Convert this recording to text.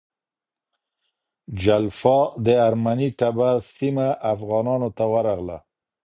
جلفا د ارمني ټبر سیمه افغانانو ته ورغله.